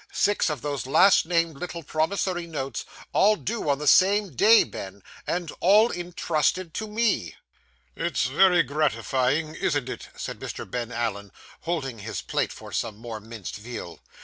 Six of those last named little promissory notes, all due on the same day, Ben, and all intrusted to me!' 'It's very gratifying, isn't it?' said Mr. Ben Allen, holding his plate for some more minced veal.